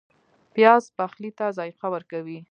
پیاز پخلی ته ذایقه ورکوي